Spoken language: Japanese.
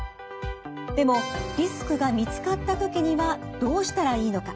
でもリスクが見つかった時にはどうしたらいいのか。